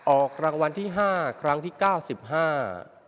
ออกรางวัลที่ห้าครั้งที่เก้าสิบห้า